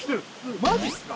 マジっすか？